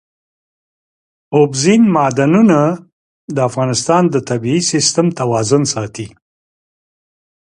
اوبزین معدنونه د افغانستان د طبعي سیسټم توازن ساتي.